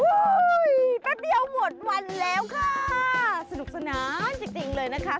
วู้วแป๊บเดียวหมดวันแล้วค่ะ